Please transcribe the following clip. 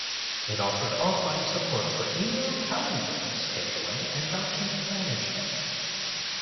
It offered offline support for email, calendaring, scheduling, and document management.